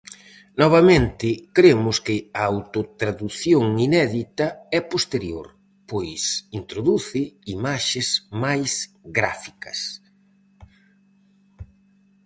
Novamente cremos que a autotradución inédita é posterior, pois introduce imaxes máis gráficas.